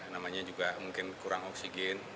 namanya juga mungkin kurang oksigen